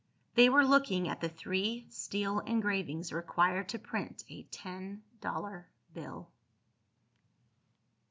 They were looking at the three steel engravings required to print a ten dollar bill.